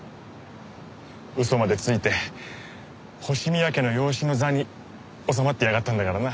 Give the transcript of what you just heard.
嘘までついて星宮家の養子の座に納まってやがったんだからな。